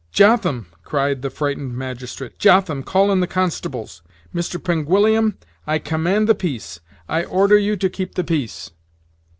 "Jotham!" cried the frightened magistrate "Jotham! call in the constables. Mr. Penguillium, I command the peace I order you to keep the peace."